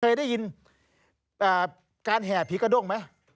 เคยได้ยินการแห่ผีกระด้งไหม